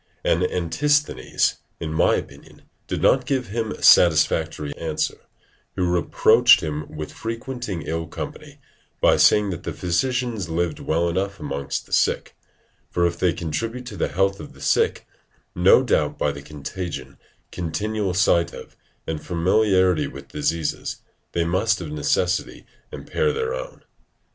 And Antisthenes, in my opinion, did not give him a satisfactory answer, who reproached him with frequenting ill company, by saying that the physicians lived well enough amongst the sick, for if they contribute to the health of the sick, no doubt but by the contagion, continual sight of, and familiarity with diseases, they must of necessity impair their own.